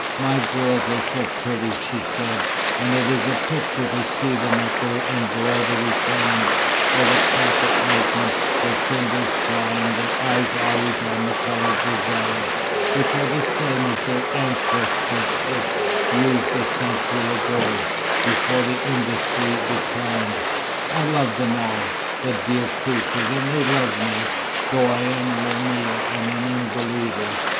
"My girls are so pretty," she said, "and it is a picture to see them at their embroidery frames, or the carpet making, their fingers flying, their eyes always on the coloured designs, which are the same as their ancestresses used a century ago, before the industry declined. I love them all, the dear creatures, and they love me, though I am a Roumia and an unbeliever.